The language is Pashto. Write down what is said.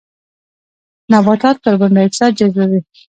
نباتات کاربن ډای اکسایډ جذبوي